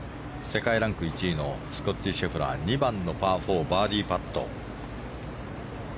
世界ランク１位のスコッティ・シェフラー２番のパー４バーディーパット。